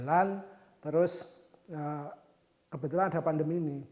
kemudian kita berjalan terus kebetulan ada pandemi ini